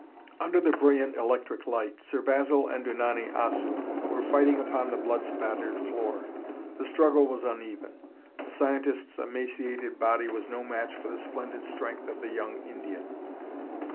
Under the brilliant electric light, Sir Basil and Unani Assu were fighting upon the blood spattered floor. The struggle was uneven: the scientist's emaciated body was no match for the splendid strength of the young Indian.